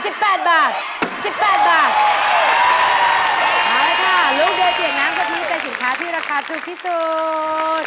เอาละค่ะลูกบัวเปียกน้ำกะทิเป็นสินค้าที่ราคาถูกที่สุด